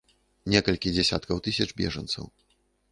Некалькі дзесяткаў тысяч бежанцаў.